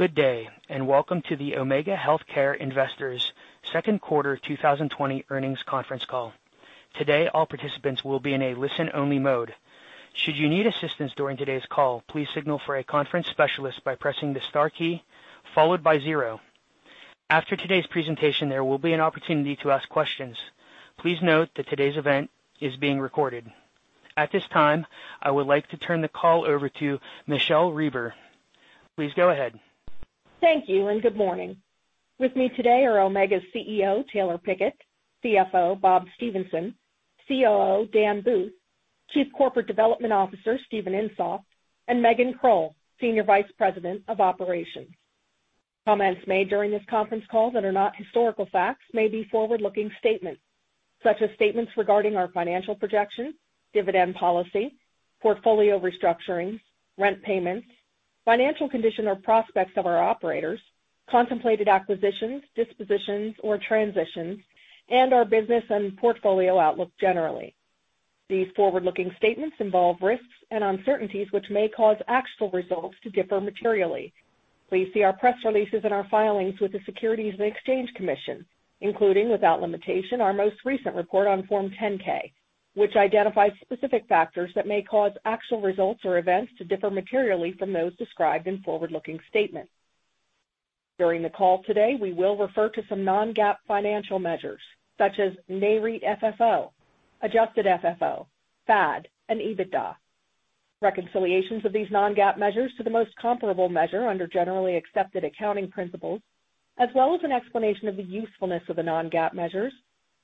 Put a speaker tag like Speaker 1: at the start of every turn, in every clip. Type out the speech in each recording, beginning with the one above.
Speaker 1: Good day, and welcome to the Omega Healthcare Investors second quarter 2020 earnings conference call. Today, all participants will be in a listen-only mode. Should you need assistance during today's call, please signal for a conference specialist by pressing the star key, followed by zero. After today's presentation, there will be an opportunity to ask questions. Please note that today's event is being recorded. At this time, I would like to turn the call over to Michele Reber. Please go ahead.
Speaker 2: Thank you, and good morning. With me today are Omega's CEO, Taylor Pickett, CFO, Bob Stephenson, COO, Dan Booth, Chief Corporate Development Officer, Steven Insoft, and Megan Krull, Senior Vice President of Operations. Comments made during this conference call that are not historical facts may be forward-looking statements, such as statements regarding our financial projections, dividend policy, portfolio restructurings, rent payments, financial condition, or prospects of our operators, contemplated acquisitions, dispositions, or transitions, and our business and portfolio outlook generally. These forward-looking statements involve risks and uncertainties which may cause actual results to differ materially. Please see our press releases and our filings with the Securities and Exchange Commission, including, without limitation, our most recent report on Form 10-K, which identifies specific factors that may cause actual results or events to differ materially from those described in forward-looking statements. During the call today, we will refer to some non-GAAP financial measures, such as Nareit FFO, adjusted FFO, FAD, and EBITDA. Reconciliations of these non-GAAP measures to the most comparable measure under Generally Accepted Accounting Principles, as well as an explanation of the usefulness of the non-GAAP measures,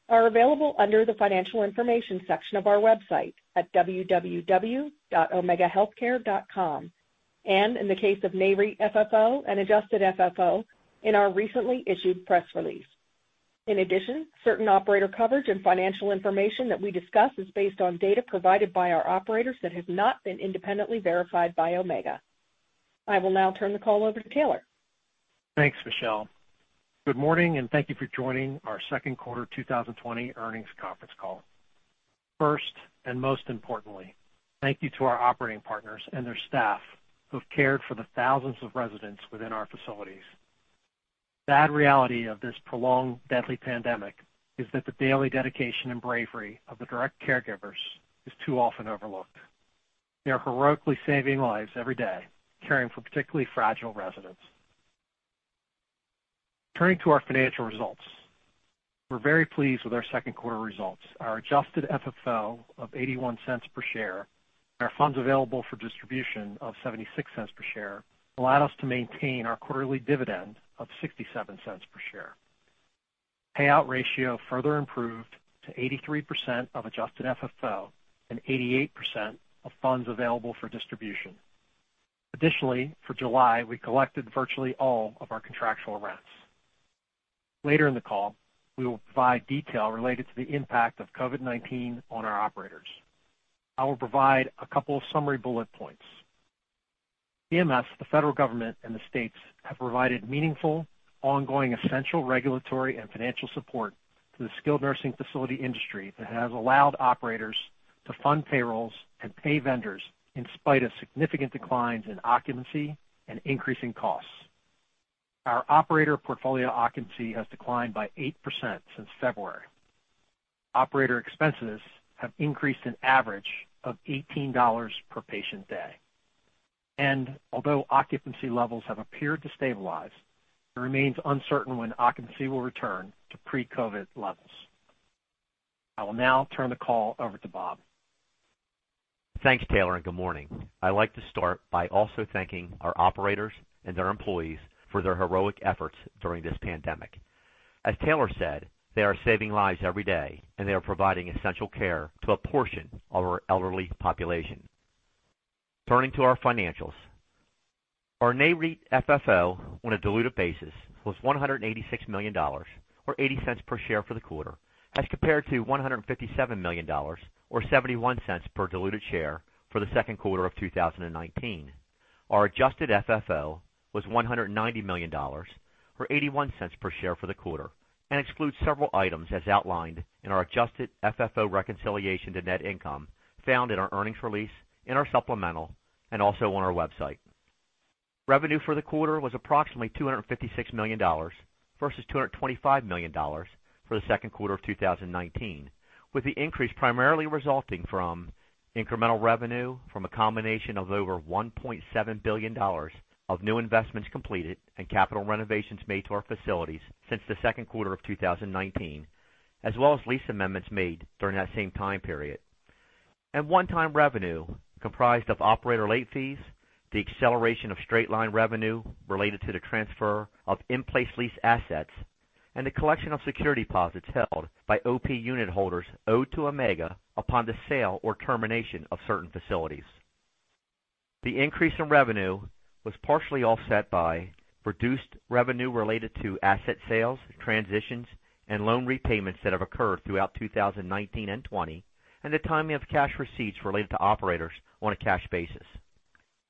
Speaker 2: are available under the Financial Information section of our website at www.omegahealthcare.com, and in the case of Nareit FFO and adjusted FFO, in our recently issued press release. In addition, certain operator coverage and financial information that we discuss is based on data provided by our operators that has not been independently verified by Omega. I will now turn the call over to Taylor.
Speaker 3: Thanks, Michele. Good morning, thank you for joining our second quarter 2020 earnings conference call. First, most importantly, thank you to our operating partners and their staff who have cared for the thousands of residents within our facilities. The sad reality of this prolonged, deadly pandemic is that the daily dedication and bravery of the direct caregivers is too often overlooked. They are heroically saving lives every day, caring for particularly fragile residents. Turning to our financial results, we're very pleased with our second quarter results. Our adjusted FFO of $0.81 per share, our funds available for distribution of $0.76 per share allowed us to maintain our quarterly dividend of $0.67 per share. Payout ratio further improved to 83% of adjusted FFO and 88% of funds available for distribution. Additionally, for July, we collected virtually all of our contractual rents. Later in the call, we will provide detail related to the impact of COVID-19 on our operators. I will provide a couple of summary bullet points. CMS, the federal government, and the states have provided meaningful, ongoing, essential regulatory and financial support to the skilled nursing facility industry that has allowed operators to fund payrolls and pay vendors in spite of significant declines in occupancy and increasing costs. Our operator portfolio occupancy has declined by 8% since February. Operator expenses have increased an average of $18 per patient day. Although occupancy levels have appeared to stabilize, it remains uncertain when occupancy will return to pre-COVID levels. I will now turn the call over to Bob.
Speaker 4: Thanks, Taylor. Good morning. I'd like to start by also thanking our operators and their employees for their heroic efforts during this pandemic. As Taylor said, they are saving lives every day, and they are providing essential care to a portion of our elderly population. Turning to our financials, our Nareit FFO on a diluted basis was $186 million, or $0.80 per share for the quarter, as compared to $157 million, or $0.71 per diluted share, for the second quarter of 2019. Our adjusted FFO was $190 million, or $0.81 per share for the quarter, and excludes several items as outlined in our adjusted FFO reconciliation to net income found in our earnings release, in our supplemental, and also on our website. Revenue for the quarter was approximately $256 million versus $225 million for the second quarter of 2019, with the increase primarily resulting from incremental revenue from a combination of over $1.7 billion of new investments completed and capital renovations made to our facilities since the second quarter of 2019, as well as lease amendments made during that same time period. One-time revenue comprised of operator late fees, the acceleration of straight-line revenue related to the transfer of in-place lease assets, and the collection of security deposits held by OP unit holders owed to Omega upon the sale or termination of certain facilities. The increase in revenue was partially offset by reduced revenue related to asset sales, transitions, and loan repayments that have occurred throughout 2019 and 2020, and the timing of cash receipts related to operators on a cash basis.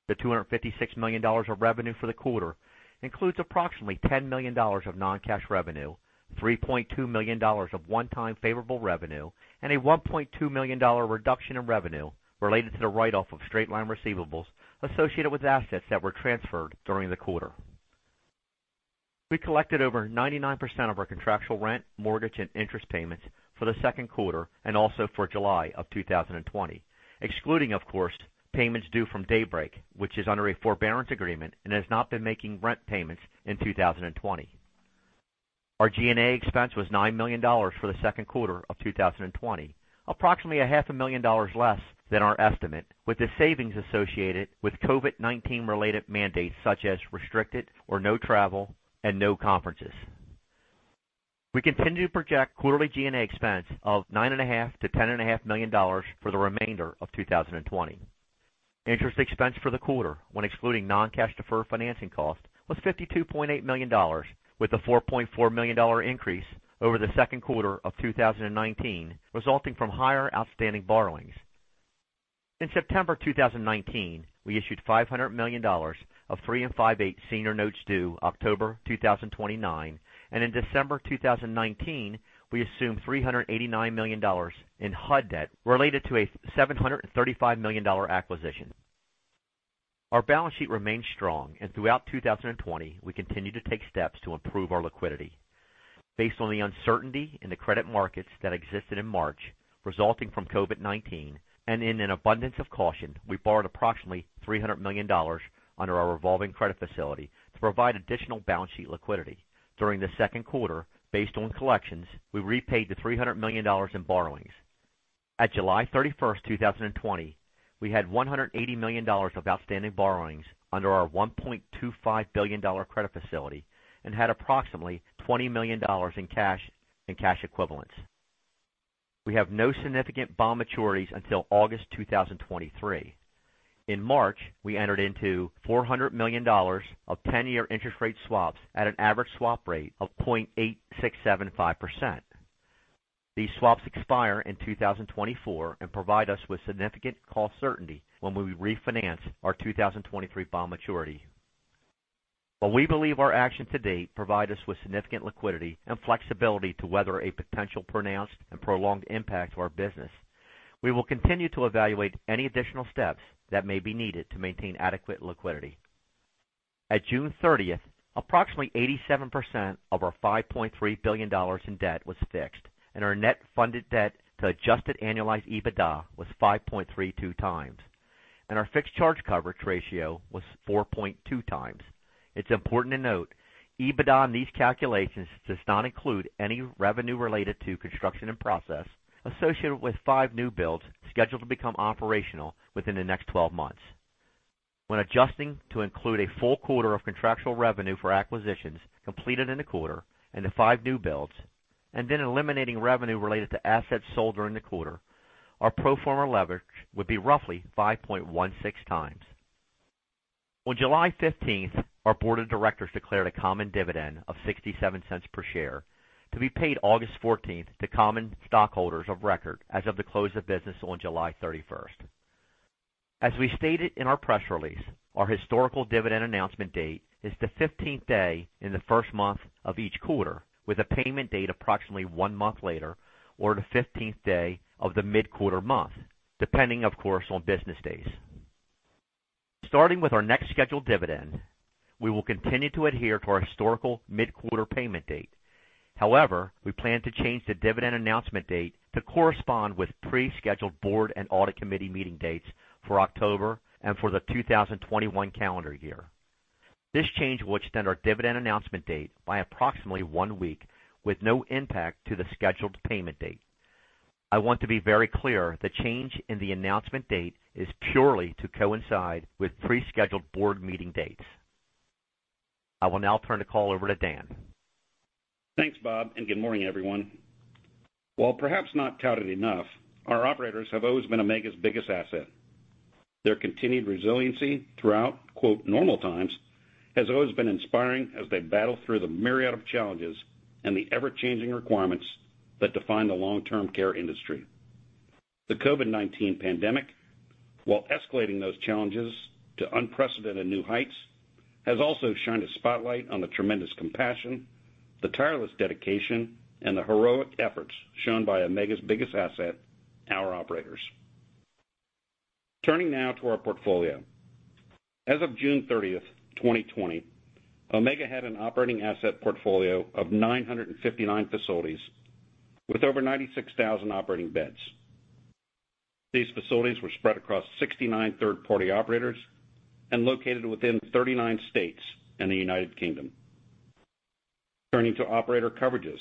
Speaker 4: The $256 million of revenue for the quarter includes approximately $10 million of non-cash revenue, $3.2 million of one-time favorable revenue and a $1.2 million reduction in revenue related to the write-off of straight-line receivables associated with assets that were transferred during the quarter. We collected over 99% of our contractual rent, mortgage, and interest payments for the second quarter, and also for July of 2020. Excluding, of course, payments due from Daybreak, which is under a forbearance agreement and has not been making rent payments in 2020. Our G&A expense was $9 million for the second quarter of 2020, approximately $500,000 less than our estimate, with the savings associated with COVID-19 related mandates, such as restricted or no travel and no conferences. We continue to project quarterly G&A expense of $9.5 million-$10.5 million for the remainder of 2020. Interest expense for the quarter, when excluding non-cash deferred financing costs, was $52.8 million, with a $4.4 million increase over the second quarter of 2019, resulting from higher outstanding borrowings. In September 2019, we issued $500 million of 3.58% senior notes due October 2029, and in December 2019, we assumed $389 million in HUD debt related to a $735 million acquisition. Our balance sheet remains strong, and throughout 2020, we continue to take steps to improve our liquidity. Based on the uncertainty in the credit markets that existed in March, resulting from COVID-19, and in an abundance of caution, we borrowed approximately $300 million under our revolving credit facility to provide additional balance sheet liquidity. During the second quarter, based on collections, we repaid the $300 million in borrowings. At July 31st, 2020, we had $180 million of outstanding borrowings under our $1.25 billion credit facility and had approximately $20 million in cash and cash equivalents. We have no significant bond maturities until August 2023. In March, we entered into $400 million of 10-year interest rate swaps at an average swap rate of 0.8675%. These swaps expire in 2024 and provide us with significant cost certainty when we refinance our 2023 bond maturity. While we believe our actions to date provide us with significant liquidity and flexibility to weather a potential pronounced and prolonged impact to our business, we will continue to evaluate any additional steps that may be needed to maintain adequate liquidity. At June 30th, approximately 87% of our $5.3 billion in debt was fixed, and our net funded debt to adjusted annualized EBITDA was 5.32x, and our fixed charge coverage ratio was 4.2x. It's important to note, EBITDA in these calculations does not include any revenue related to construction and process associated with five new builds scheduled to become operational within the next 12 months. When adjusting to include a full quarter of contractual revenue for acquisitions completed in the quarter and the five new builds, and then eliminating revenue related to assets sold during the quarter, our pro forma leverage would be roughly 5.16 times. On July 15th, our board of directors declared a common dividend of $0.67 per share to be paid August 14th to common stockholders of record as of the close of business on July 31st. As we stated in our press release, our historical dividend announcement date is the 15th day in the first month of each quarter, with a payment date approximately one month later, or the 15th day of the mid-quarter month, depending, of course, on business days. Starting with our next scheduled dividend, we will continue to adhere to our historical mid-quarter payment date. We plan to change the dividend announcement date to correspond with pre-scheduled board and audit committee meeting dates for October and for the 2021 calendar year. This change will extend our dividend announcement date by approximately one week with no impact to the scheduled payment date. I want to be very clear, the change in the announcement date is purely to coincide with pre-scheduled board meeting dates. I will now turn the call over to Dan.
Speaker 5: Thanks, Bob, and good morning, everyone. While perhaps not touted enough, our operators have always been Omega's biggest asset. Their continued resiliency throughout, quote, "normal times" has always been inspiring as they battle through the myriad of challenges and the ever-changing requirements that define the long-term care industry. The COVID-19 pandemic, while escalating those challenges to unprecedented new heights, has also shined a spotlight on the tremendous compassion, the tireless dedication, and the heroic efforts shown by Omega's biggest asset, our operators. Turning now to our portfolio. As of June 30th, 2020, Omega had an operating asset portfolio of 959 facilities with over 96,000 operating beds. These facilities were spread across 69 third-party operators and located within 39 states and the United Kingdom. Turning to operator coverages.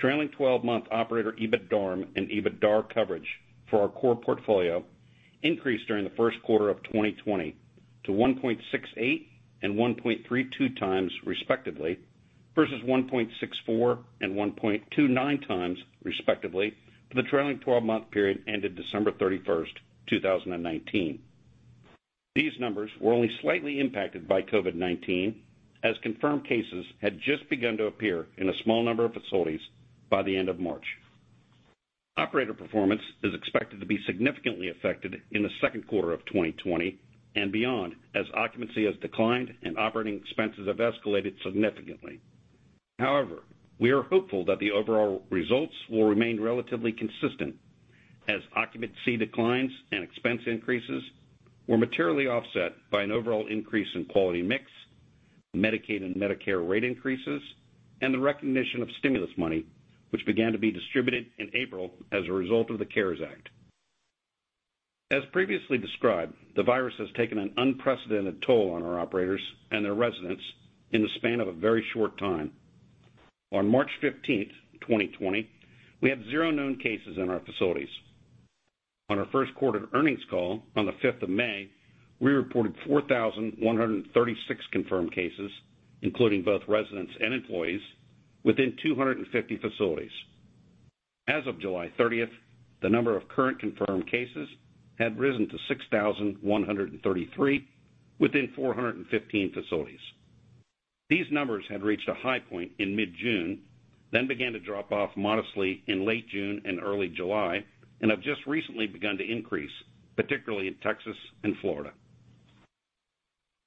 Speaker 5: Trailing 12-month operator EBITDARM and EBITDAR coverage for our core portfolio increased during the first quarter of 2020 to 1.68x and 1.32x, respectively, versus 1.64x and 1.29x, respectively, for the trailing 12-month period ended December 31st, 2019. These numbers were only slightly impacted by COVID-19, as confirmed cases had just begun to appear in a small number of facilities by the end of March. Operator performance is expected to be significantly affected in the second quarter of 2020 and beyond, as occupancy has declined and operating expenses have escalated significantly. However, we are hopeful that the overall results will remain relatively consistent, as occupancy declines and expense increases were materially offset by an overall increase in quality mix, Medicaid and Medicare rate increases, and the recognition of stimulus money, which began to be distributed in April as a result of the CARES Act. As previously described, the virus has taken an unprecedented toll on our operators and their residents in the span of a very short time. On March 15th, 2020, we had zero known cases in our facilities. On our first quarter earnings call on the 5th of May, we reported 4,136 confirmed cases, including both residents and employees within 250 facilities. As of July 30th, the number of current confirmed cases had risen to 6,133 within 415 facilities. These numbers had reached a high point in mid-June, then began to drop off modestly in late June and early July, and have just recently begun to increase, particularly in Texas and Florida.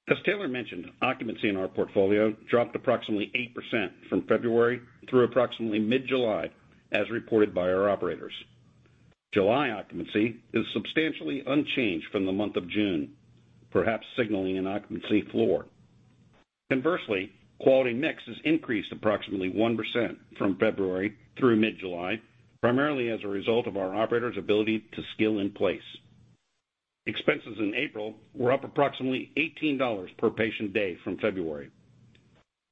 Speaker 5: As Taylor mentioned, occupancy in our portfolio dropped approximately 8% from February through approximately mid-July, as reported by our operators. July occupancy is substantially unchanged from the month of June, perhaps signaling an occupancy floor. Conversely, quality mix has increased approximately 1% from February through mid-July, primarily as a result of our operators' ability to skill in place. Expenses in April were up approximately $18 per patient day from February.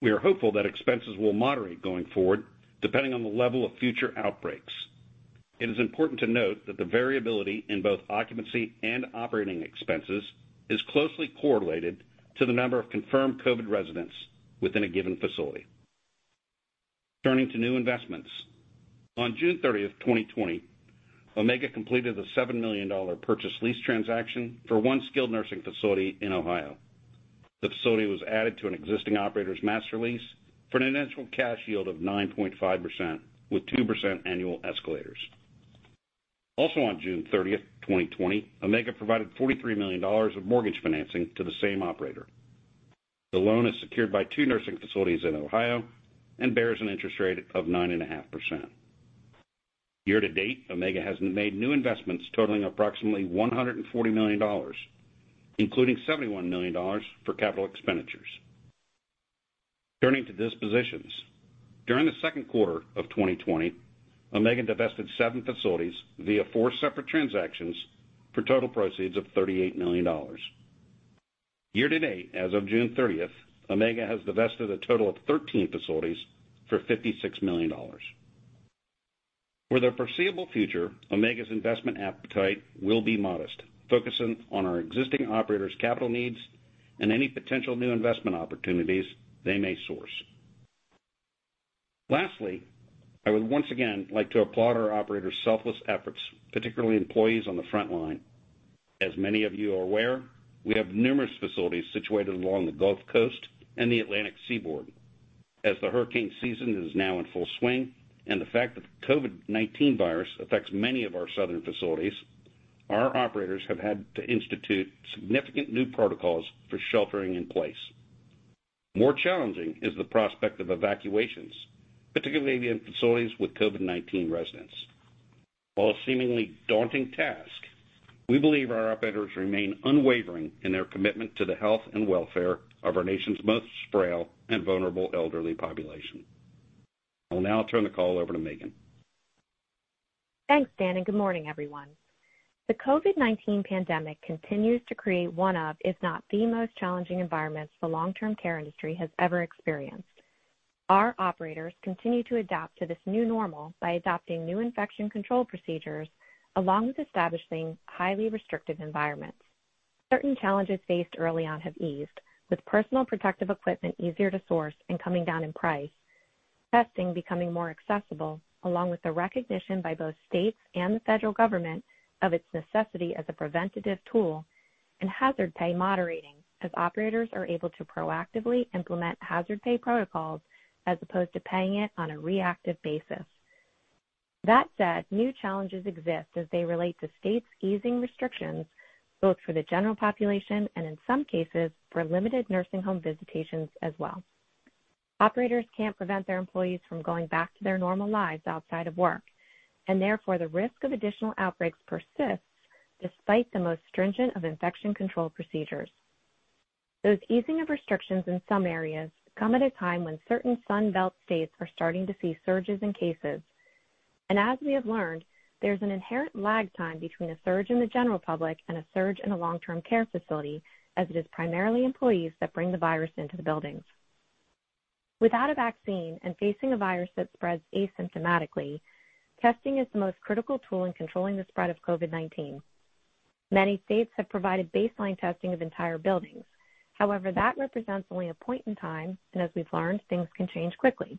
Speaker 5: We are hopeful that expenses will moderate going forward, depending on the level of future outbreaks. It is important to note that the variability in both occupancy and operating expenses is closely correlated to the number of confirmed COVID residents within a given facility. Turning to new investments. On June 30th, 2020, Omega completed a $7 million purchase lease transaction for one skilled nursing facility in Ohio. The facility was added to an existing operator's master lease for an initial cash yield of 9.5% with 2% annual escalators. Also on June 30th, 2020, Omega provided $43 million of mortgage financing to the same operator. The loan is secured by two nursing facilities in Ohio and bears an interest rate of 9.5%. Year-to-date, Omega has made new investments totaling approximately $140 million, including $71 million for capital expenditures. Turning to dispositions. During the second quarter of 2020, Omega divested seven facilities via four separate transactions for total proceeds of $38 million. Year-to-date, as of June 30th, Omega has divested a total of 13 facilities for $56 million. For the foreseeable future, Omega's investment appetite will be modest, focusing on our existing operators' capital needs and any potential new investment opportunities they may source. Lastly, I would once again like to applaud our operators' selfless efforts, particularly employees on the front line. As many of you are aware, we have numerous facilities situated along the Gulf Coast and the Atlantic seaboard. As the hurricane season is now in full swing, and the fact that the COVID-19 virus affects many of our southern facilities, our operators have had to institute significant new protocols for sheltering in place. More challenging is the prospect of evacuations, particularly in facilities with COVID-19 residents. While a seemingly daunting task, we believe our operators remain unwavering in their commitment to the health and welfare of our nation's most frail and vulnerable elderly population. I'll now turn the call over to Megan.
Speaker 6: Thanks, Dan, and good morning, everyone. The COVID-19 pandemic continues to create one of, if not the most challenging environments the long-term care industry has ever experienced. Our operators continue to adapt to this new normal by adopting new infection control procedures, along with establishing highly restrictive environments. Certain challenges faced early on have eased, with personal protective equipment easier to source and coming down in price, testing becoming more accessible, along with the recognition by both states and the federal government of its necessity as a preventative tool, and hazard pay moderating as operators are able to proactively implement hazard pay protocols as opposed to paying it on a reactive basis. That said, new challenges exist as they relate to states easing restrictions, both for the general population and in some cases, for limited nursing home visitations as well. Operators can't prevent their employees from going back to their normal lives outside of work, therefore, the risk of additional outbreaks persists despite the most stringent of infection control procedures. Those easing of restrictions in some areas come at a time when certain Sun Belt states are starting to see surges in cases. As we have learned, there's an inherent lag time between a surge in the general public and a surge in a long-term care facility, as it is primarily employees that bring the virus into the buildings. Without a vaccine and facing a virus that spreads asymptomatically, testing is the most critical tool in controlling the spread of COVID-19. Many states have provided baseline testing of entire buildings. However, that represents only a point in time, and as we've learned, things can change quickly.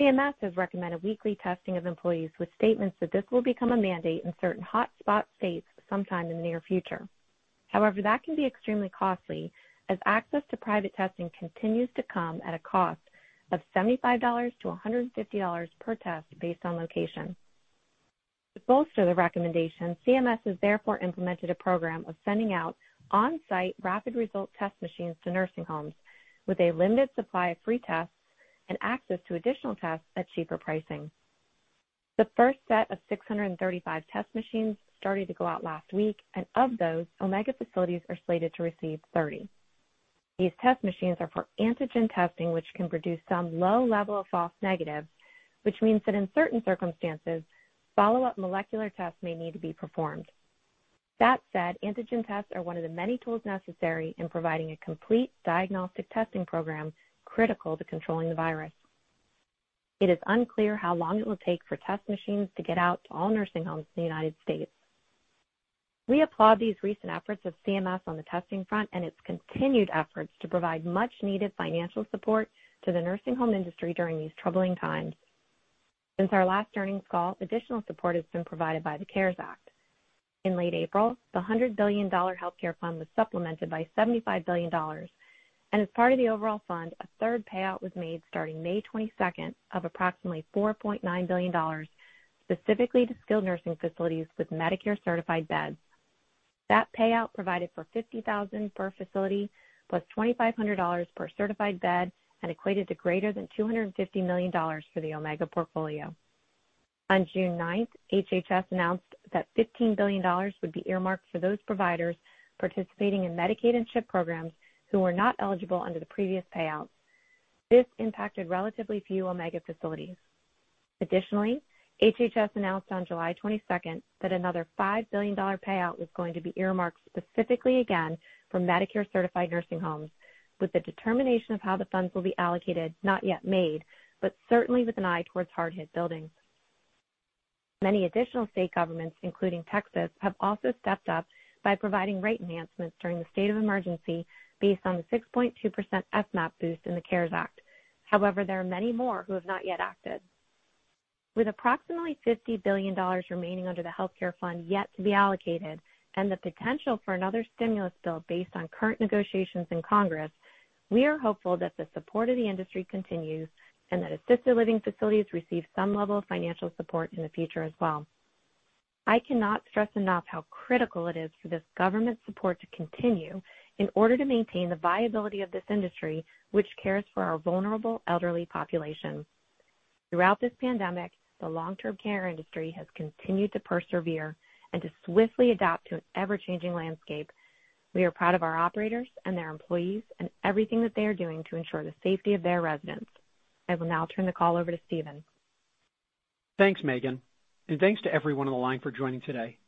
Speaker 6: CMS has recommended weekly testing of employees with statements that this will become a mandate in certain hotspot states sometime in the near future. However, that can be extremely costly as access to private testing continues to come at a cost of $75-$150 per test based on location. To bolster the recommendation, CMS has therefore implemented a program of sending out on-site rapid result test machines to nursing homes with a limited supply of free tests and access to additional tests at cheaper pricing. The first set of 635 test machines started to go out last week, and of those, Omega facilities are slated to receive 30. These test machines are for antigen testing, which can produce some low level of false negative, which means that in certain circumstances, follow-up molecular tests may need to be performed. That said, antigen tests are one of the many tools necessary in providing a complete diagnostic testing program critical to controlling the virus. It is unclear how long it will take for test machines to get out to all nursing homes in the United States. We applaud these recent efforts of CMS on the testing front and its continued efforts to provide much needed financial support to the nursing home industry during these troubling times. Since our last earnings call, additional support has been provided by the CARES Act. In late April, the $100 billion healthcare fund was supplemented by $75 billion, and as part of the overall fund, a third payout was made starting May 22nd of approximately $4.9 billion specifically to skilled nursing facilities with Medicare-certified beds. That payout provided for $50,000 per facility, plus $2,500 per certified bed, and equated to greater than $250 million for the Omega portfolio. On June 9th, HHS announced that $15 billion would be earmarked for those providers participating in Medicaid and CHIP programs who were not eligible under the previous payouts. This impacted relatively few Omega facilities. Additionally, HHS announced on July 22nd that another $5 billion payout was going to be earmarked specifically again for Medicare-certified nursing homes with the determination of how the funds will be allocated, not yet made, but certainly with an eye towards hard-hit buildings. Many additional state governments, including Texas, have also stepped up by providing rate enhancements during the state of emergency based on the 6.2% FMAP boost in the CARES Act. There are many more who have not yet acted. With approximately $50 billion remaining under the healthcare fund yet to be allocated and the potential for another stimulus bill based on current negotiations in Congress, we are hopeful that the support of the industry continues and that assisted living facilities receive some level of financial support in the future as well. I cannot stress enough how critical it is for this government support to continue in order to maintain the viability of this industry which cares for our vulnerable elderly population. Throughout this pandemic, the long-term care industry has continued to persevere and to swiftly adapt to an ever-changing landscape. We are proud of our operators and their employees and everything that they are doing to ensure the safety of their residents. I will now turn the call over to Steven.
Speaker 7: Thanks, Megan, and thanks to everyone on the line for joining today.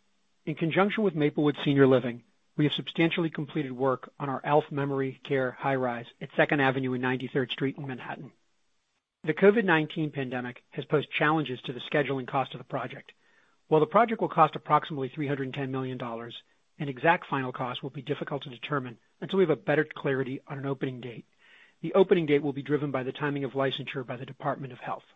Speaker 7: In conjunction with Maplewood Senior Living, we have substantially completed work on our ALF Memory Care high rise at 2nd Avenue and 93rd Street in Manhattan. The COVID-19 pandemic has posed challenges to the schedule and cost of the project. While the project will cost approximately $310 million, an exact final cost will be difficult to determine until we have better clarity on an opening date. The opening date will be driven by the timing of licensure by the Department of Health.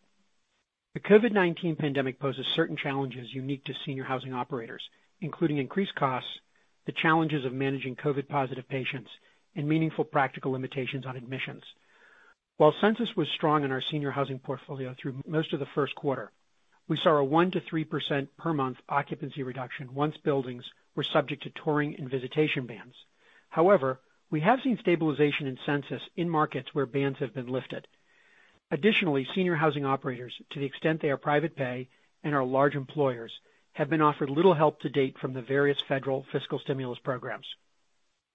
Speaker 7: The COVID-19 pandemic poses certain challenges unique to senior housing operators, including increased costs, the challenges of managing COVID-positive patients, and meaningful practical limitations on admissions. While census was strong in our senior housing portfolio through most of the first quarter, we saw a 1%-3% per month occupancy reduction once buildings were subject to touring and visitation bans. However, we have seen stabilization in census in markets where bans have been lifted. Additionally, senior housing operators, to the extent they are private pay and are large employers, have been offered little help to date from the various federal fiscal stimulus programs.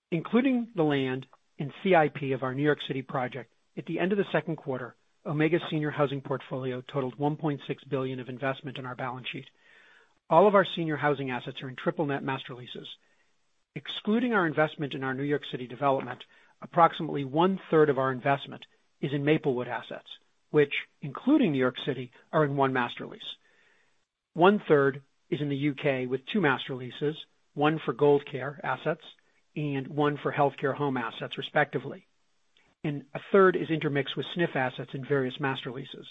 Speaker 7: Including the land and CIP of our New York City project at the end of the second quarter, Omega's senior housing portfolio totaled $1.6 billion of investment in our balance sheet. All of our senior housing assets are in triple-net master leases. Excluding our investment in our New York City development, approximately one-third of our investment is in Maplewood assets, which including New York City, are in one master lease. One-third is in the U.K. with two master leases, one for Gold Care assets and one for Healthcare Homes assets respectively, and a third is intermixed with SNF assets in various master leases.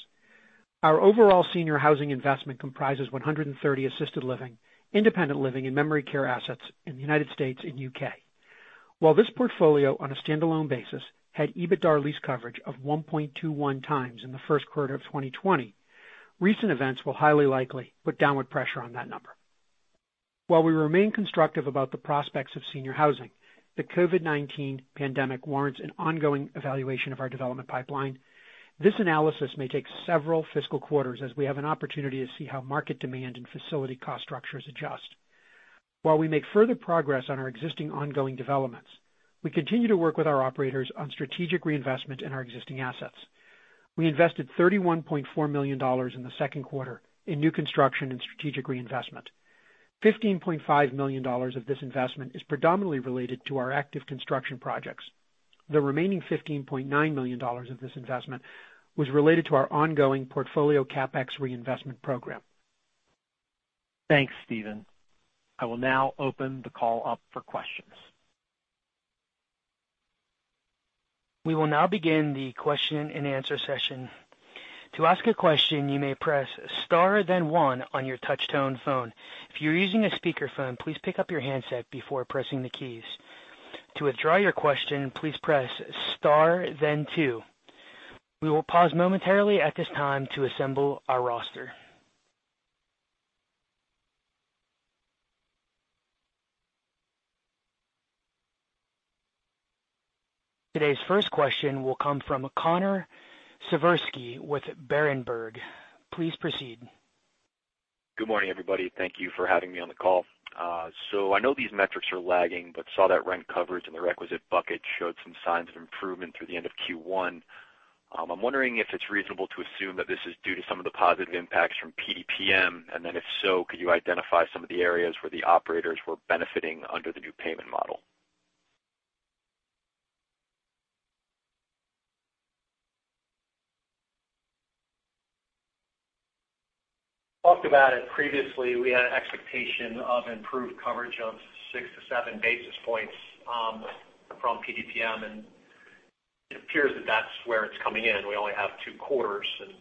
Speaker 7: Our overall senior housing investment comprises 130 assisted living, independent living, and memory care assets in the United States and U.K. While this portfolio on a standalone basis had EBITDA lease coverage of 1.21x in the first quarter of 2020, recent events will highly likely put downward pressure on that number. While we remain constructive about the prospects of senior housing, the COVID-19 pandemic warrants an ongoing evaluation of our development pipeline. This analysis may take several fiscal quarters as we have an opportunity to see how market demand and facility cost structures adjust. While we make further progress on our existing ongoing developments, we continue to work with our operators on strategic reinvestment in our existing assets. We invested $31.4 million in the second quarter in new construction and strategic reinvestment. $15.5 million of this investment is predominantly related to our active construction projects. The remaining $15.9 million of this investment was related to our ongoing portfolio CapEx reinvestment program.
Speaker 3: Thanks, Steven. I will now open the call up for questions.
Speaker 1: We will now begin the question and answer session. To ask a question, you may press Star, then one on your touch-tone phone. If you're using a speakerphone, please pick up your handset before pressing the keys. To withdraw your question, please press Star, then two. We will pause momentarily at this time to assemble our roster. Today's first question will come from Connor Siversky with Berenberg. Please proceed.
Speaker 8: Good morning, everybody. Thank you for having me on the call. I know these metrics are lagging, but saw that rent coverage in the requisite bucket showed some signs of improvement through the end of Q1. I'm wondering if it's reasonable to assume that this is due to some of the positive impacts from PDPM, and then if so, could you identify some of the areas where the operators were benefiting under the new payment model?
Speaker 3: Talked about it previously, we had an expectation of improved coverage of six to seven basis points from PDPM, and it appears that that's where it's coming in. We only have two quarters and,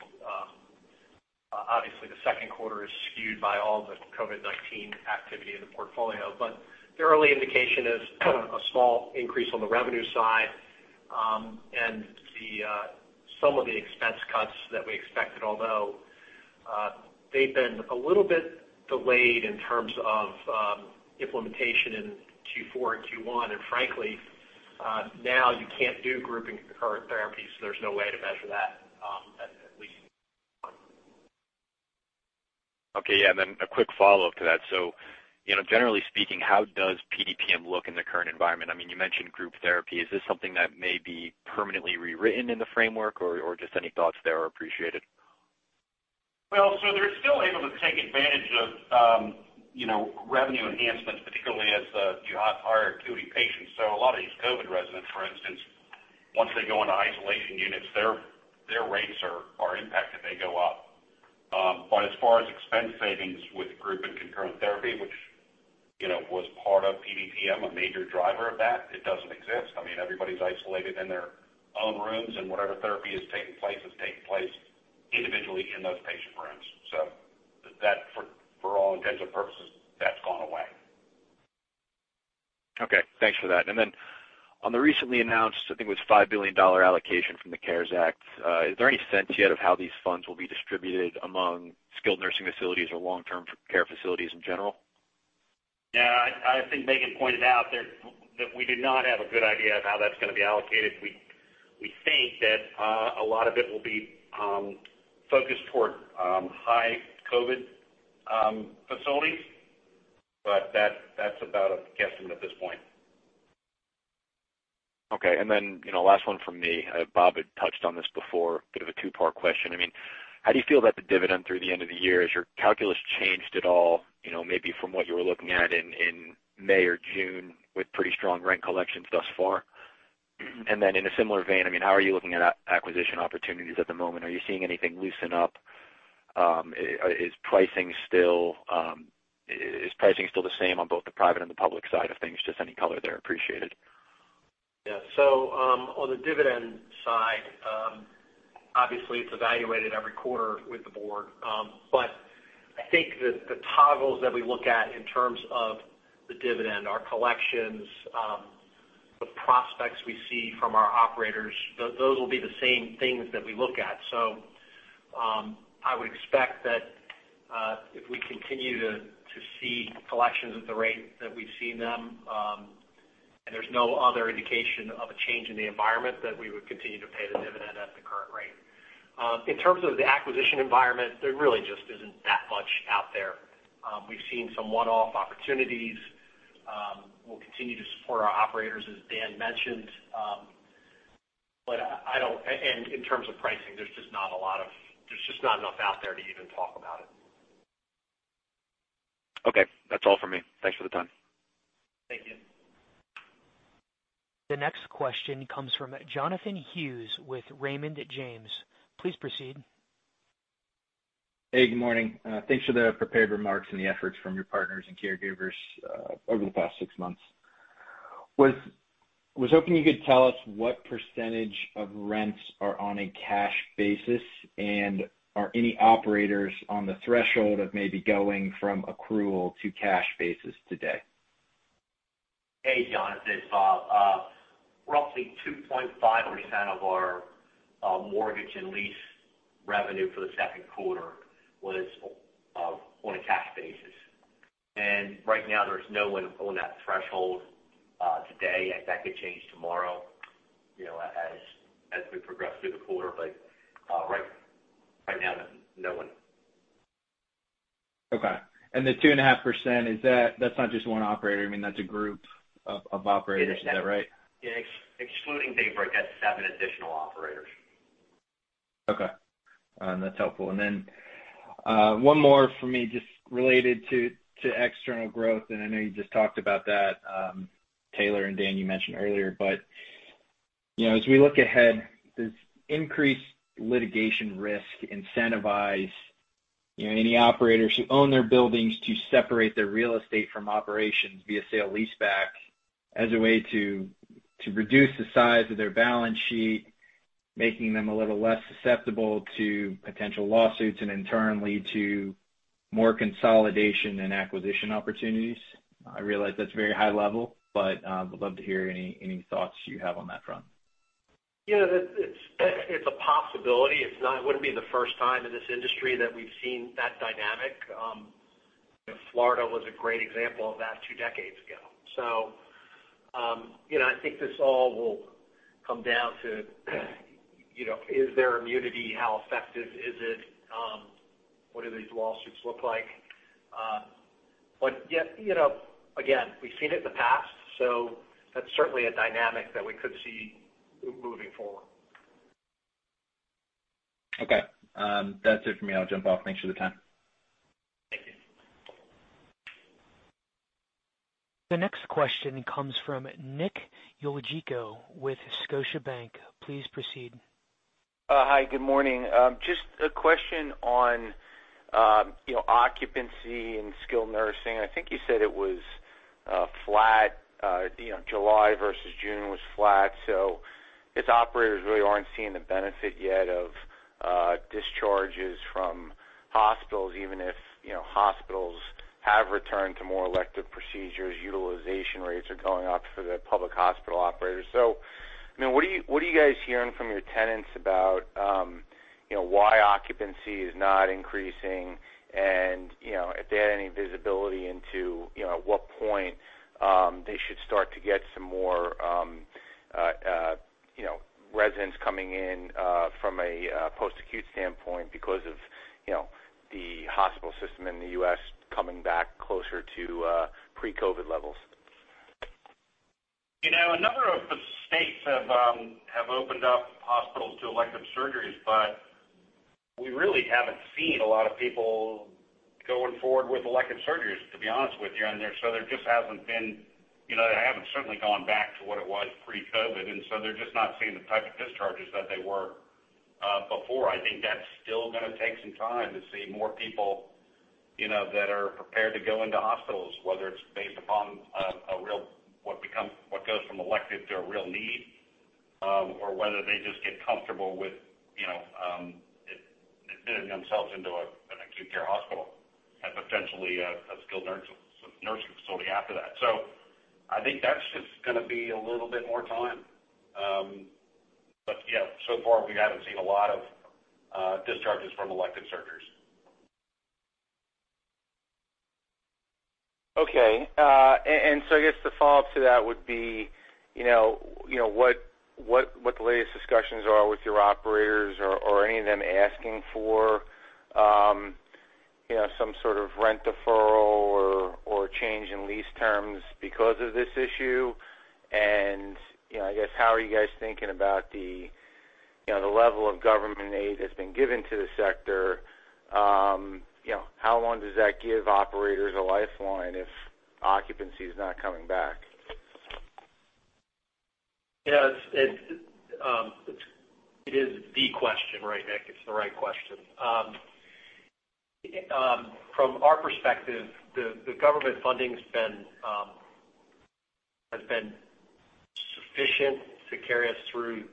Speaker 3: obviously the second quarter is skewed by all the COVID-19 activity in the portfolio. The early indication is a small increase on the revenue side, and some of the expense cuts that we expected, although they've been a little bit delayed in terms of implementation in Q4 and Q1. Frankly, now you can't do grouping concurrent therapies. There's no way to measure that, at least one.
Speaker 8: Okay, yeah. A quick follow-up to that. Generally speaking, how does PDPM look in the current environment? You mentioned group therapy. Is this something that may be permanently rewritten in the framework or just any thoughts there are appreciated.
Speaker 3: They're still able to take advantage of revenue enhancements, particularly as you have higher acuity patients. A lot of these COVID residents, for instance, once they go into isolation units, their rates are impacted. They go up. As far as expense savings with group and concurrent therapy, which was part of PDPM, a major driver of that, it doesn't exist. Everybody's isolated in their own rooms and whatever therapy is taking place is taking place individually in those patient rooms. That for all intents and purposes, that's gone away.
Speaker 8: Okay, thanks for that. On the recently announced, I think it was $5 billion allocation from the CARES Act, is there any sense yet of how these funds will be distributed among skilled nursing facilities or long-term care facilities in general?
Speaker 3: Yeah, I think Megan pointed out that we do not have a good idea of how that's going to be allocated. We think that a lot of it will be focused toward high COVID facilities, but that's about a guesstimate at this point.
Speaker 8: Okay, last one from me. Bob had touched on this before, bit of a two-part question. How do you feel about the dividend through the end of the year? Has your calculus changed at all maybe from what you were looking at in May or June with pretty strong rent collections thus far? In a similar vein, how are you looking at acquisition opportunities at the moment? Are you seeing anything loosen up? Is pricing still the same on both the private and the public side of things? Any color there appreciated.
Speaker 3: On the dividend side, obviously it's evaluated every quarter with the board. I think that the toggles that we look at in terms of the dividend are collections, the prospects we see from our operators, those will be the same things that we look at. I would expect that if we continue to see collections at the rate that we've seen them, and there's no other indication of a change in the environment, that we would continue to pay the dividend at the current rate. In terms of the acquisition environment, there really just isn't that much out there. We've seen some one-off opportunities. We'll continue to support our operators, as Dan mentioned. In terms of pricing, there's just not enough out there to even talk about it.
Speaker 8: Okay, that's all for me. Thanks for the time.
Speaker 3: Thank you.
Speaker 1: The next question comes from Jonathan Hughes with Raymond James. Please proceed.
Speaker 9: Hey, good morning. Thanks for the prepared remarks and the efforts from your partners and caregivers over the past six months. Was hoping you could tell us what percentage of rents are on a cash basis, are any operators on the threshold of maybe going from accrual to cash basis today?
Speaker 4: Hey, Jonathan. It's Bob. Roughly 2.5% of our mortgage and lease revenue for the second quarter was on a cash basis. Right now, there's no one on that threshold today. That could change tomorrow as we progress through the quarter, but right now, no one.
Speaker 9: Okay. The 2.5%, that's not just one operator, that's a group of operators. Is that right?
Speaker 4: Yeah. Excluding Daybreak, that's seven additional operators.
Speaker 9: Okay. That's helpful. Then one more for me just related to external growth, and I know you just talked about that, Taylor and Dan, you mentioned earlier, but as we look ahead, does increased litigation risk incentivize any operators who own their buildings to separate their real estate from operations via sale leaseback as a way to reduce the size of their balance sheet, making them a little less susceptible to potential lawsuits, and in turn lead to more consolidation and acquisition opportunities? I realize that's very high level, but I would love to hear any thoughts you have on that front.
Speaker 3: Yeah. It's a possibility. It wouldn't be the first time in this industry that we've seen that dynamic. Florida was a great example of that two decades ago. I think this all will come down to, is there immunity? How effective is it? What do these lawsuits look like? Yet again, we've seen it in the past, so that's certainly a dynamic that we could see moving forward.
Speaker 9: Okay. That's it for me. I'll jump off. Thanks for the time.
Speaker 3: Thank you.
Speaker 1: The next question comes from Nick Yulico with Scotiabank. Please proceed.
Speaker 10: Hi. Good morning. Just a question on occupancy and skilled nursing. I think you said it was flat, July versus June was flat. Its operators really aren't seeing the benefit yet of discharges from hospitals, even if hospitals have returned to more elective procedures, utilization rates are going up for the public hospital operators. What are you guys hearing from your tenants about why occupancy is not increasing and if they had any visibility into what point they should start to get some more residents coming in from a post-acute standpoint because of the hospital system in the U.S. coming back closer to pre-COVID-19 levels?
Speaker 3: A number of the states have opened up hospitals to elective surgeries, but we really haven't seen a lot of people going forward with elective surgeries, to be honest with you. They haven't certainly gone back to what it was pre-COVID. They're just not seeing the type of discharges that they were before. I think that's still gonna take some time to see more people that are prepared to go into hospitals, whether it's based upon what goes from elective to a real need, or whether they just get comfortable with admitting themselves into an acute care hospital, and potentially a skilled nursing facility after that. I think that's just gonna be a little bit more time. Yeah, so far, we haven't seen a lot of discharges from elective surgeries.
Speaker 10: Okay. I guess the follow-up to that would be, what the latest discussions are with your operators or any of them asking for some sort of rent deferral or change in lease terms because of this issue. I guess how are you guys thinking about the level of government aid that's been given to the sector? How long does that give operators a lifeline if occupancy is not coming back?
Speaker 3: Yes. It is the question, right, Nick? It's the right question. From our perspective, the government funding has been sufficient to carry us through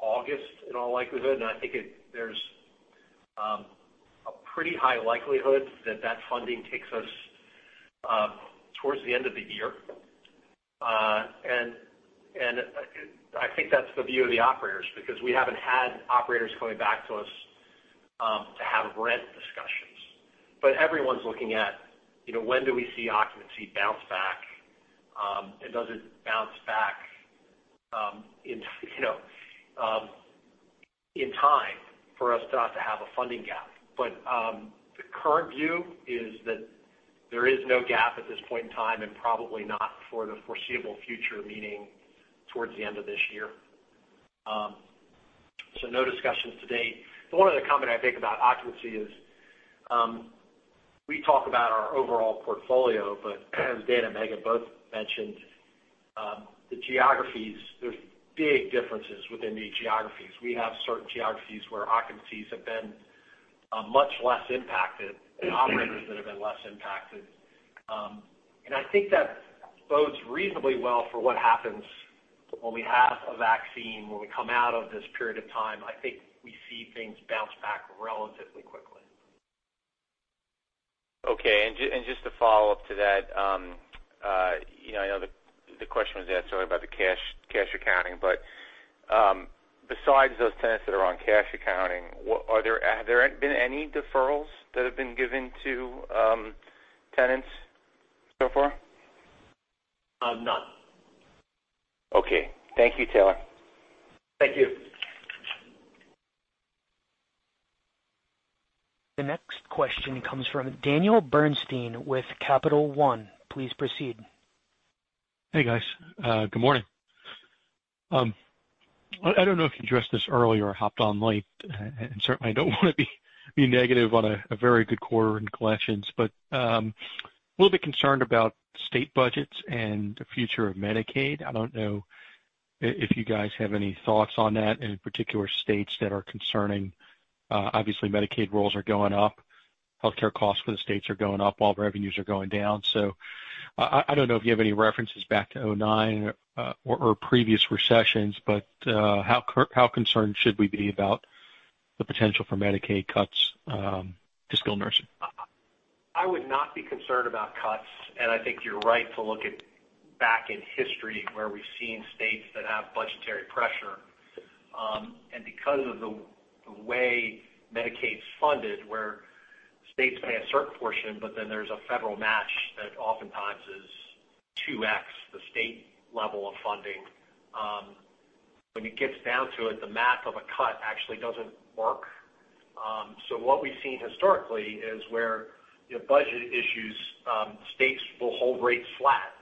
Speaker 3: August in all likelihood. I think there's a pretty high likelihood that that funding takes us towards the end of the year. I think that's the view of the operators, because we haven't had operators coming back to us to have rent discussions. Everyone's looking at when do we see occupancy bounce back? Does it bounce back in time for us to not to have a funding gap? The current view is that there is no gap at this point in time and probably not for the foreseeable future, meaning towards the end of this year. No discussions to date. One other comment I'd make about occupancy is, we talk about our overall portfolio, but as Dan and Megan both mentioned, the geographies, there's big differences within the geographies. We have certain geographies where occupancies have been much less impacted and operators that have been less impacted. I think that bodes reasonably well for what happens when we have a vaccine, when we come out of this period of time. I think we see things bounce back relatively quickly.
Speaker 10: Okay. Just to follow up to that, I know the question was asked already about the cash accounting, but besides those tenants that are on cash accounting, have there been any deferrals that have been given to tenants so far?
Speaker 3: None.
Speaker 10: Okay. Thank you, Taylor.
Speaker 3: Thank you.
Speaker 1: The next question comes from Daniel Bernstein with Capital One. Please proceed.
Speaker 11: Hey, guys. Good morning. Certainly I don't want to be negative on a very good quarter in collections. I'm a little bit concerned about state budgets and the future of Medicaid. I don't know if you guys have any thoughts on that, in particular states that are concerning. Obviously, Medicaid rolls are going up, healthcare costs for the states are going up while revenues are going down. I don't know if you have any references back to 2009 or previous recessions. How concerned should we be about the potential for Medicaid cuts to skilled nursing?
Speaker 3: I would not be concerned about cuts, I think you're right to look at back in history where we've seen states that have budgetary pressure. Because of the way Medicaid's funded, where states pay a certain portion, but then there's a federal match that oftentimes is 2x the state level of funding. When it gets down to it, the math of a cut actually doesn't work. What we've seen historically is where budget issues, states will hold rates flat,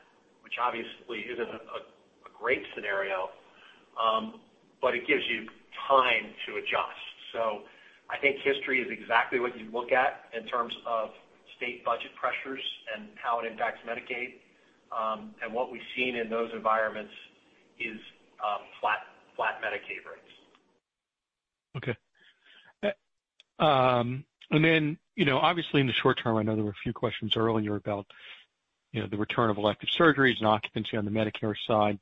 Speaker 3: which obviously isn't a great scenario, but it gives you time to adjust. I think history is exactly what you'd look at in terms of state budget pressures and how it impacts Medicaid. What we've seen in those environments is flat Medicaid rates.
Speaker 11: Okay. Then, obviously in the short term, I know there were a few questions earlier about the return of elective surgeries and occupancy on the Medicare side.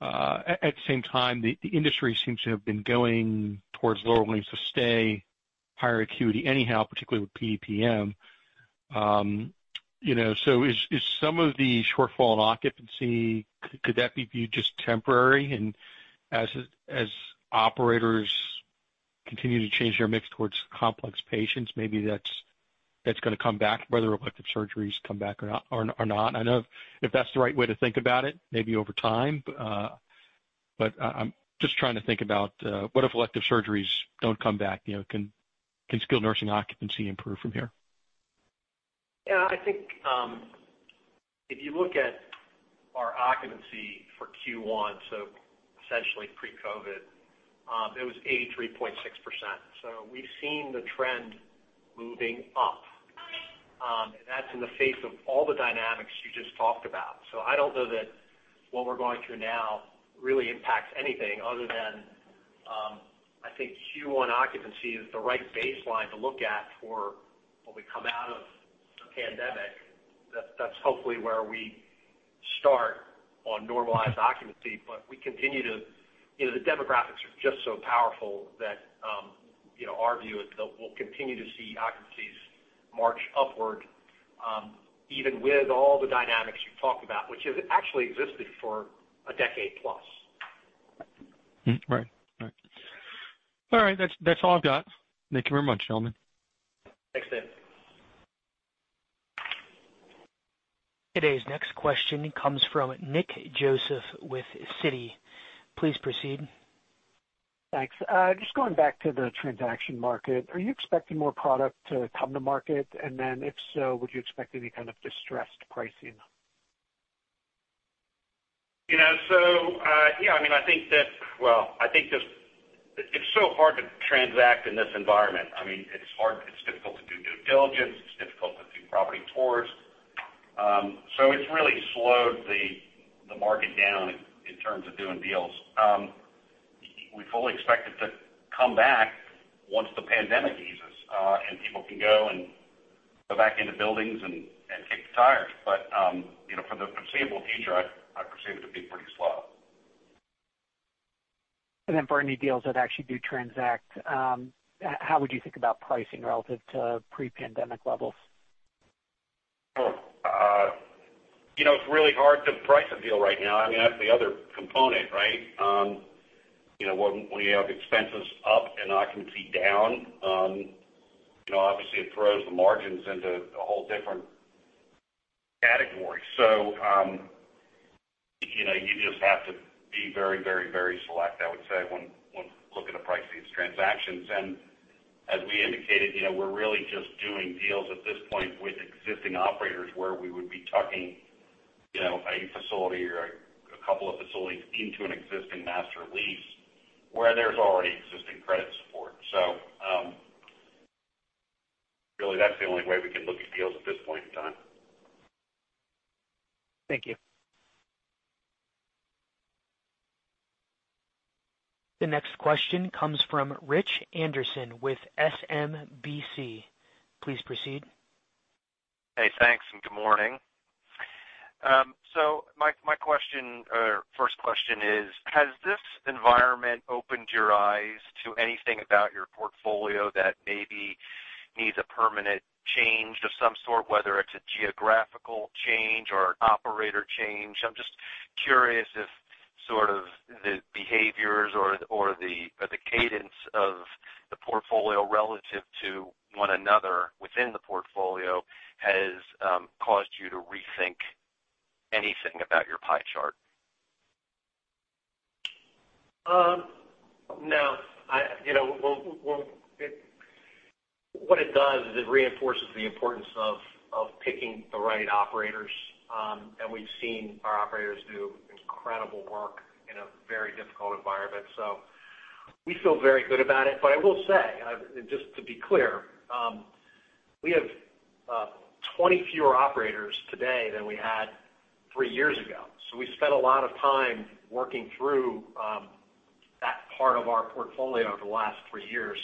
Speaker 11: At the same time, the industry seems to have been going towards lower lengths of stay, higher acuity anyhow, particularly with PDPM. Is some of the shortfall in occupancy, could that be just temporary? As operators continue to change their mix towards complex patients, maybe that's going to come back, whether elective surgeries come back or not. I don't know if that's the right way to think about it, maybe over time. I'm just trying to think about, what if elective surgeries don't come back? Can skilled nursing occupancy improve from here?
Speaker 3: Yeah, I think if you look at our occupancy for Q1, so essentially pre-COVID-19, it was 83.6%. We've seen the trend moving up, and that's in the face of all the dynamics you just talked about. I don't know that what we're going through now really impacts anything other than, I think Q1 occupancy is the right baseline to look at for when we come out of the pandemic. That's hopefully where we start on normalized occupancy. The demographics are just so powerful that our view is that we'll continue to see occupancies march upward, even with all the dynamics you talked about, which have actually existed for a decade plus.
Speaker 11: Right. All right. That's all I've got. Thank you very much, gentlemen.
Speaker 3: Thanks, Dan.
Speaker 1: Today's next question comes from Nick Joseph with Citi. Please proceed.
Speaker 12: Thanks. Just going back to the transaction market, are you expecting more product to come to market? If so, would you expect any kind of distressed pricing?
Speaker 3: Yeah. It's so hard to transact in this environment. It's difficult to do due diligence. It's difficult to do property tours. It's really slowed the market down in terms of doing deals. We fully expect it to come back once the pandemic eases, and people can go back into buildings and kick the tires. For the foreseeable future, I perceive it to be pretty slow.
Speaker 12: For any deals that actually do transact, how would you think about pricing relative to pre-pandemic levels?
Speaker 3: It's really hard to price a deal right now. That's the other component, right? When you have expenses up and occupancy down, obviously it throws the margins into a whole different category. You just have to be very select, I would say, when looking to price these transactions. As we indicated, we're really just doing deals at this point with existing operators where we would be tucking a facility or a couple of facilities into an existing master lease where there's already existing credit support. Really, that's the only way we can look at deals at this point in time.
Speaker 12: Thank you.
Speaker 1: The next question comes from Rich Anderson with SMBC. Please proceed.
Speaker 13: Hey, thanks, good morning. My first question is, has this environment opened your eyes to anything about your portfolio that maybe needs a permanent change of some sort, whether it's a geographical change or an operator change? I'm just curious if sort of the behaviors or the cadence of the portfolio relative to one another within the portfolio has caused you to rethink anything about your pie chart.
Speaker 3: What it does is it reinforces the importance of picking the right operators. We've seen our operators do incredible work in a very difficult environment. We feel very good about it. I will say, just to be clear. We have 20 fewer operators today than we had three years ago. We spent a lot of time working through that part of our portfolio over the last three years.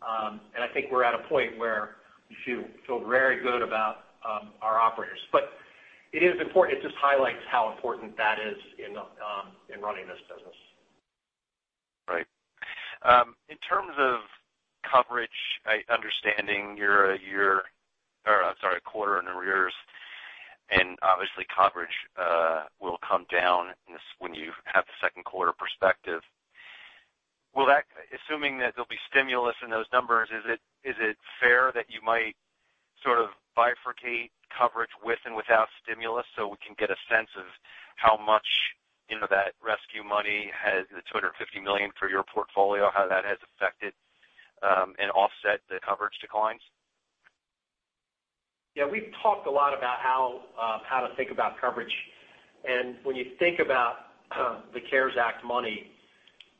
Speaker 3: I think we're at a point where we feel very good about our operators. It is important. It just highlights how important that is in running this business.
Speaker 13: Right. In terms of coverage, understanding your quarter in arrears, obviously coverage will come down when you have the second quarter perspective. Assuming that there'll be stimulus in those numbers, is it fair that you might sort of bifurcate coverage with and without stimulus so we can get a sense of how much that rescue money, the $250 million for your portfolio, how that has affected and offset the coverage declines?
Speaker 3: Yeah. We've talked a lot about how to think about coverage. When you think about the CARES Act money,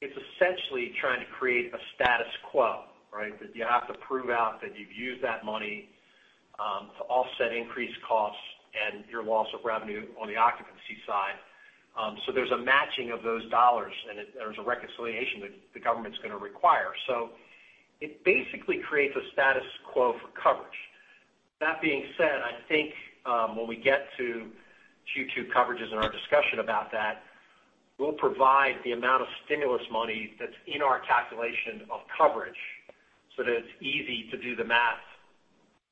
Speaker 3: it's essentially trying to create a status quo, right? That you have to prove out that you've used that money to offset increased costs and your loss of revenue on the occupancy side. There's a matching of those dollars, and there's a reconciliation that the government's going to require. It basically creates a status quo for coverage. That being said, I think when we get to Q2 coverages and our discussion about that, we'll provide the amount of stimulus money that's in our calculation of coverage, so that it's easy to do the math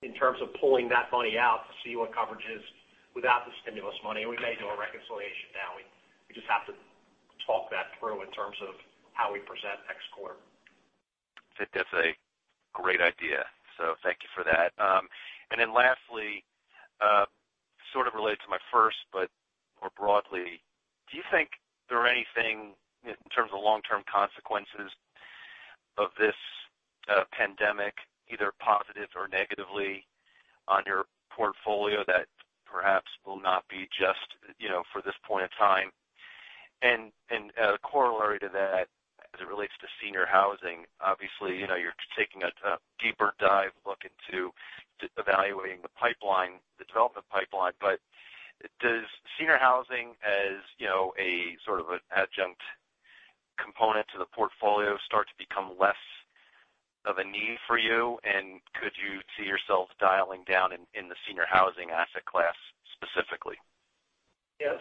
Speaker 3: in terms of pulling that money out to see what coverage is without the stimulus money. We may do a reconciliation now. We just have to talk that through in terms of how we present next quarter.
Speaker 13: I think that's a great idea. Thank you for that. Lastly, sort of related to my first, but more broadly, do you think there are anything in terms of long-term consequences of this pandemic, either positive or negatively on your portfolio that perhaps will not be just for this point in time? A corollary to that as it relates to senior housing, obviously, you're taking a deeper dive look into evaluating the development pipeline, but does senior housing, as sort of an adjunct component to the portfolio, start to become less of a need for you? Could you see yourself dialing down in the senior housing asset class specifically?
Speaker 3: Yeah.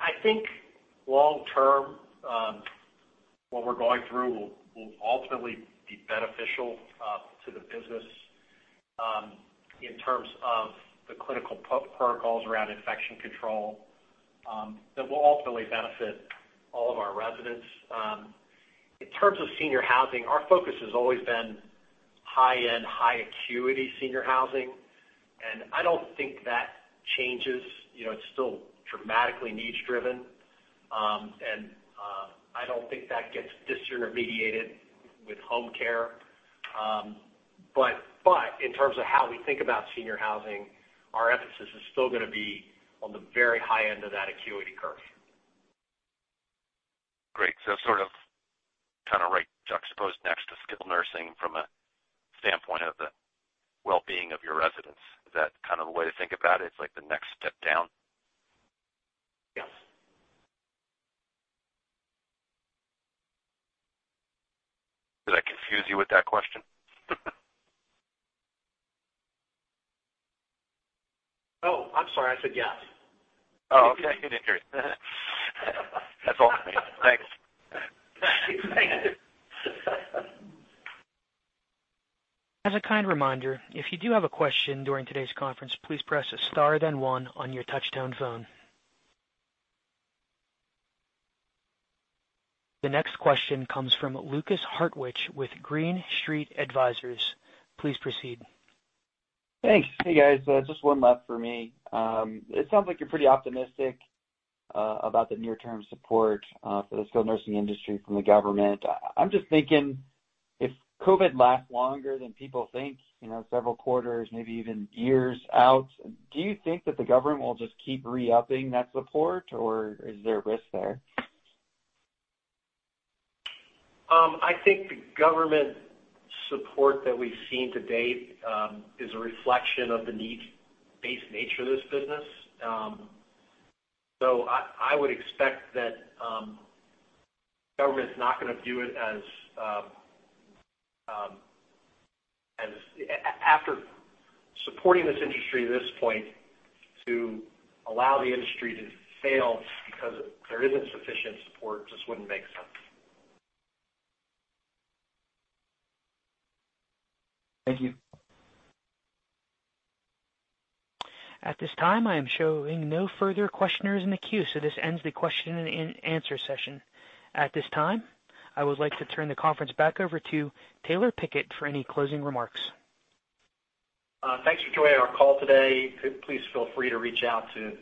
Speaker 3: I think long term, what we're going through will ultimately be beneficial to the business in terms of the clinical protocols around infection control that will ultimately benefit all of our residents. In terms of senior housing, our focus has always been high-end, high acuity senior housing, and I don't think that changes. It's still dramatically niche driven, and I don't think that gets disintermediated with home care. In terms of how we think about senior housing, our emphasis is still going to be on the very high end of that acuity curve.
Speaker 13: Great. Sort of juxtaposed next to skilled nursing from a standpoint of the wellbeing of your residents, is that kind of the way to think about it? It's like the next step down?
Speaker 3: Yes.
Speaker 13: Did I confuse you with that question?
Speaker 3: No, I'm sorry. I said yes.
Speaker 13: Oh, okay. That's all. Thanks.
Speaker 3: Thank you.
Speaker 1: As a kind reminder, if you do have a question during today's conference, please press a star then one on your touch-tone phone. The next question comes from Lukas Hartwich with Green Street Advisors. Please proceed.
Speaker 14: Thanks. Hey, guys, just one left for me. It sounds like you're pretty optimistic about the near-term support for the skilled nursing industry from the government. I'm just thinking, if COVID lasts longer than people think, several quarters, maybe even years out, do you think that the government will just keep re-upping that support, or is there a risk there?
Speaker 3: I think the government support that we've seen to date is a reflection of the need-based nature of this business. I would expect that government's not going to view it. After supporting this industry at this point to allow the industry to fail because there isn't sufficient support just wouldn't make sense.
Speaker 14: Thank you.
Speaker 1: At this time, I am showing no further questioners in the queue, so this ends the question and answer session. At this time, I would like to turn the conference back over to Taylor Pickett for any closing remarks.
Speaker 3: Thanks for joining our call today. Please feel free to reach out to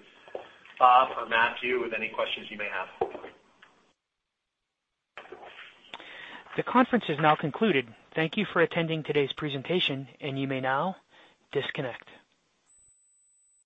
Speaker 3: Bob or Matthew with any questions you may have.
Speaker 1: The conference is now concluded. Thank you for attending today's presentation, and you may now disconnect.